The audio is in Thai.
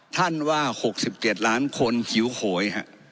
ท่านว่า๖๗ล้านคนหิวโหย